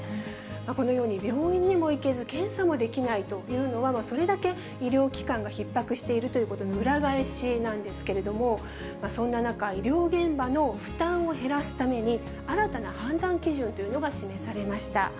このように、病院にも行けず、検査もできないというのは、それだけ医療機関がひっ迫しているということの裏返しなんですけれども、そんな中、医療現場の負担を減らすために、新たな判断基準というのが示されました。